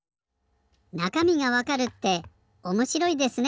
なかみがわかるっておもしろいですね。